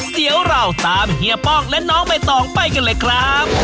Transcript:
เดี๋ยวเราตามเฮียป้องและน้องใบตองไปกันเลยครับ